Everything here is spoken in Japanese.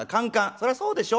そりゃそうでしょ。